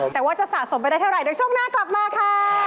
แต่ว่าจะสะสมไปได้เท่าไหร่เดี๋ยวช่วงหน้ากลับมาค่ะ